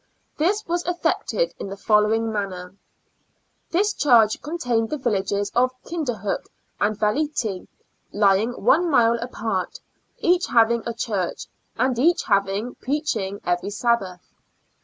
This was effected in the following manner : This charge contained the villages of Kinderhook and Valatie, lying one mile apart, each having a church, and each having preaching every Sabbath.